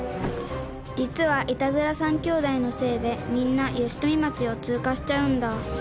実はいたずら三兄弟のせいでみんな吉富町を通過しちゃうんだ。